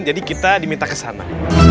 jadi kita diminta kesana